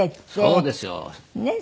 そうですよ。ねえ。